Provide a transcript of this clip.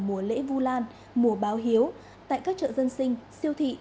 mùa lễ vu lan mùa báo hiếu tại các chợ dân sinh siêu thị